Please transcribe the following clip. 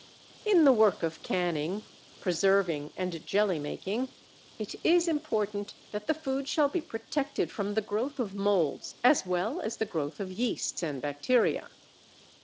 In the work of canning, preserving, and jelly making it is important that the food shall be protected from the growth of molds as well as the growth of yeasts and bacteria.